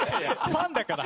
ファンだから！